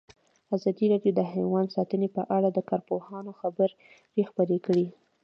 ازادي راډیو د حیوان ساتنه په اړه د کارپوهانو خبرې خپرې کړي.